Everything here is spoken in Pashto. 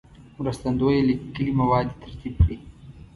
مرستندوی لیکلي مواد دې ترتیب کړي.